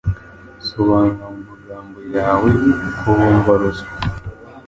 Sobanura mu magambo yawe uko wumva ruswa?